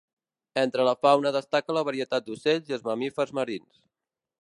Entre la fauna destaca la varietat d’ocells i els mamífers marins.